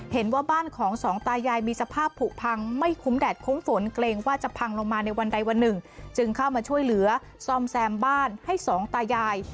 เห็นว่าบ้านของสองตายายมีสภาพผูกพังไม่คุ้มแดดคุ้มฝนเกรงว่าจะพังลงมาในวันใดวันหนึ่งจึงเข้ามาช่วยเหลือซ่อมแซมบ้านให้สองตายาย